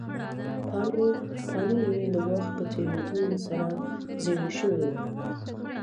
پاڼې یې د وخت په تېرېدو سره زیړې شوې وې.